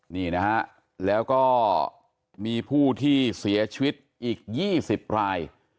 นี่นะฮะแล้วก็มีผู้ที่เสียชีวิตอีก๒๐ราย